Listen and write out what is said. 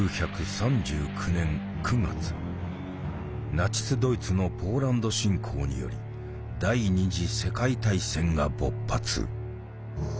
ナチスドイツのポーランド侵攻により第２次世界大戦が勃発。